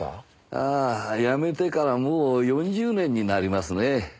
ああやめてからもう４０年になりますね。